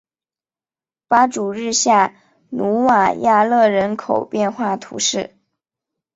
巴祖日下努瓦亚勒人口变化图示